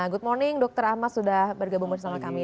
good morning dr ahmad sudah bergabung bersama kami